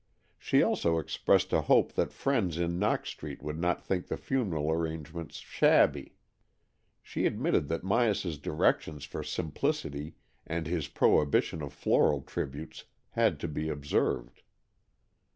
She also expressed a hope that friends in Knox Street would not think the funeral arrangements shabby. She admitted that Myas's directions for simplicity and his prohibition of floral tributes had to be observed.